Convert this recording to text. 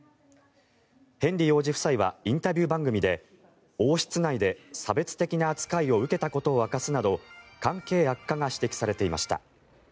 ヘンリー王子夫妻はインタビュー番組で王室内で差別的な扱いを受けたことを明かすなど関係悪化が指摘されていました。